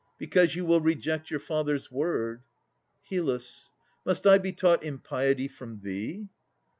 Because you will reject your father's word. HYL. Must I be taught impiety from thee?